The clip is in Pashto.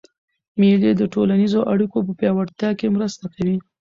مېلې د ټولنیزو اړیکو په پیاوړتیا کښي مرسته کوي.